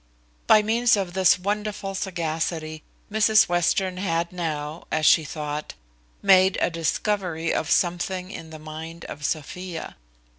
By means of this wonderful sagacity, Mrs Western had now, as she thought, made a discovery of something in the mind of Sophia.